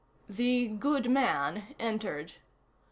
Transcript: The "good man" entered.